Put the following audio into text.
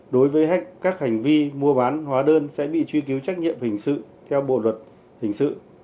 đối với các hành vi mua bán hóa đơn sẽ bị truy cứu trách nhiệm hình sự theo bộ luật hình sự